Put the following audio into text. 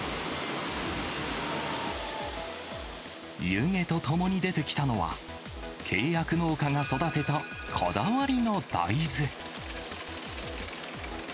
湯気とともに出てきたのは、契約農家が育てたこだわりの大豆。